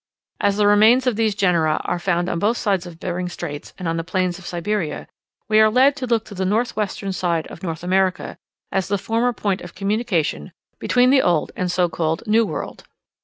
As the remains of these genera are found on both sides of Behring's Straits and on the plains of Siberia, we are led to look to the north western side of North America as the former point of communication between the Old and so called New World.